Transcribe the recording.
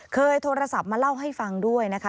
เคยโทรศัพท์มาเล่าให้ฟังด้วยนะคะ